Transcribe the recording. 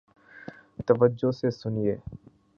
توجہ سے سنیئے